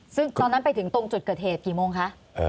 ซึ่งตอนนั้นไปถึงตรงจุดเกิดเหตุกี่โมงคะ